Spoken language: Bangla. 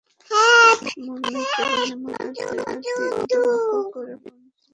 মনকে বহির্মুখ হতে না দিয়ে অন্তর্মুখ করে কোন জিনিষ বোঝবার জন্য বারংবার আলোচনা।